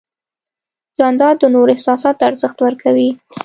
جانداد د نورو احساساتو ته ارزښت ورکوي.